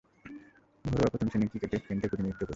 ঘরোয়া প্রথম-শ্রেণীর ক্রিকেটে কেন্টের প্রতিনিধিত্ব করেছেন।